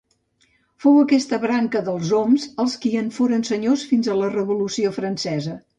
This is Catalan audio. Fou aquesta branca dels d'Oms els qui en foren senyors fins a la Revolució Francesa.